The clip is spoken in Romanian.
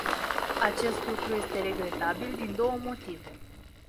Acest lucru este regretabil din două motive.